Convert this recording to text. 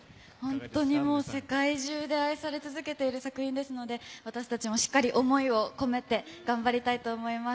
世界中で愛され続けている作品ですので、私たちもしっかり想いを込めて頑張りたいと思います。